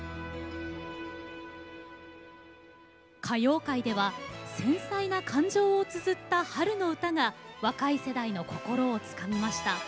歌謡界では繊細な感情をつづった春の歌が若い世代の心をつかみました。